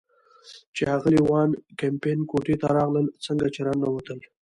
چې اغلې وان کمپن کوټې ته راغلل، څنګه چې را ننوتل.